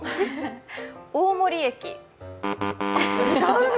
大森駅。